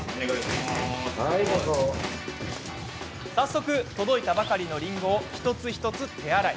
早速、届いたばかりのりんごを一つ一つ手洗い。